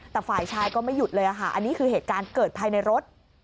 แต่ฝ่ายชายก็ไม่หยุดเลยค่ะอันนี้คือเหตุการณ์เกิดภายในรถ